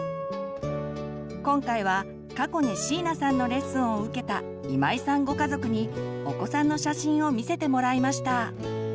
今回は過去に椎名さんのレッスンを受けた今井さんご家族にお子さんの写真を見せてもらいました。